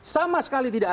sama sekali tidak ada